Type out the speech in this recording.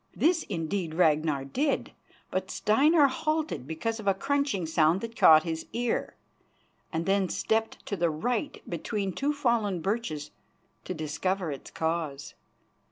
This, indeed, Ragnar did, but Steinar halted because of a crunching sound that caught his ear, and then stepped to the right between two fallen birches to discover its cause.